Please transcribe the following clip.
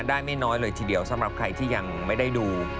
ได้ไม่น้อยเลยทีเดียวสำหรับใครที่ยังไม่ได้ดู